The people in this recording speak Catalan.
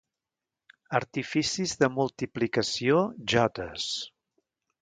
Artificis de multiplicació jotes...